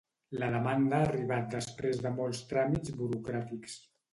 La demanda ha arribat després de molts tràmits burocràtics